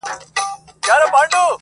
ولاكه مو په كار ده دا بې ننگه ككرۍ,